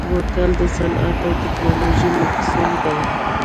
بوتل د صنعت او تکنالوژۍ محصول دی.